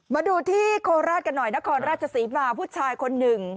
มาดูที่โฆษณ์ราชกันหน่อยเนอะฮว์ราชสีวาห์ผู้ชายคนหนึ่ง